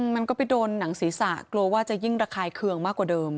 มันก็ไปโดนหนังศีรษะกลัวว่าจะยิ่งระคายเคืองมากกว่าเดิม